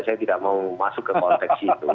saya tidak mau masuk ke konteks itu